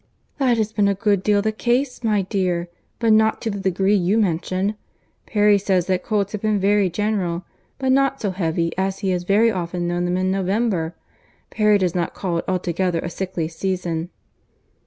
"That has been a good deal the case, my dear; but not to the degree you mention. Perry says that colds have been very general, but not so heavy as he has very often known them in November. Perry does not call it altogether a sickly season."